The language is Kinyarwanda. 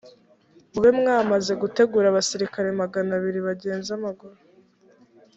mube mwamaze gutegura abasirikare magana abiri bagenza amaguru